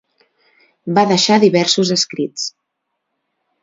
Va deixar diversos escrits.